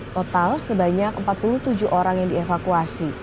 total sebanyak empat puluh tujuh orang yang dievakuasi